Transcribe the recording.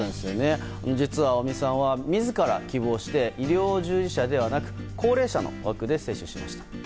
実は尾身さんは自ら希望して医療従事者ではなく高齢者の枠で接種しました。